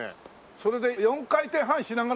それで４回転半しながらとかって。